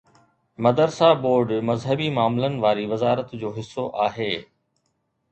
مدرسا بورڊ مذهبي معاملن واري وزارت جو حصو آهي.